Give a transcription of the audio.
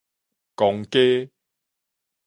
公家